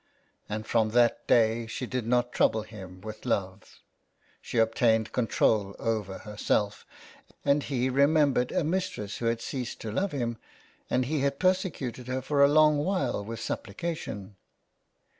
And from that day she did not trouble him with love. She obtained control over herself, and he remembered a mistress who had ceased to love him, and he had persecuted her for a long while with supplication.